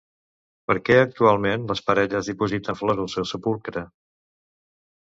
Per què actualment les parelles dipositen flors al seu sepulcre?